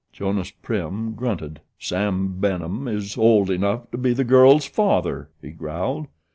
Jonas Prim grunted. "Sam Benham is old enough to be the girl's father," he growled.